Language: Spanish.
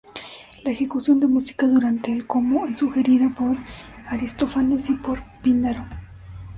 La ejecución de música durante el "como" es sugerida por Aristófanes, y por Píndaro.